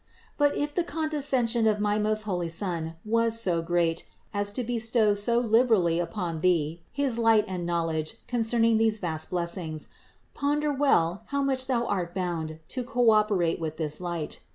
487. But if the condescension of my most holy Son was so great as to bestow so liberally upon thee his light and knowledge concerning these vast blessings, ponder well how much thou art bound to co operate with this light.